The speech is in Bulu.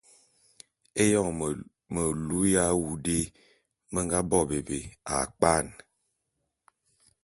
Éyon melu ya awu dé me nga bo bébé ya kpwan.